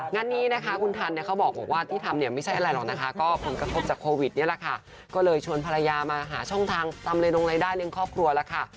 งานนี้นะคะคุณทันเนี่ยเขาบอกว่าที่ทำเนี่ยไม่ใช่อะไรหรอกนะคะก็ผลกระทบจากโควิดนี่แหละค่ะก็เลยชวนภรรยามาหาช่องทางทำเรนงรายได้เลี้ยงครอบครัวแล้วค่ะ